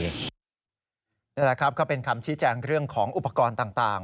นี่แหละครับก็เป็นคำชี้แจงเรื่องของอุปกรณ์ต่าง